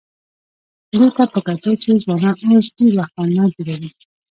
دې ته په کتو چې ځوانان اوس ډېر وخت انلاین تېروي،